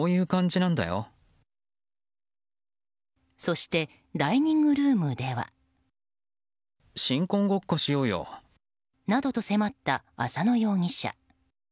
そしてダイニングルームでは。などと迫った浅野容疑者。